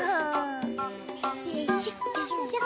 よいしょよいしょ。